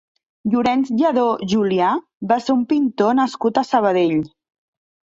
Llorenç Lladó Julià va ser un pintor nascut a Sabadell.